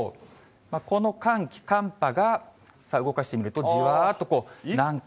この寒気、寒波が、さあ、動かしてみると、じわーっと南下。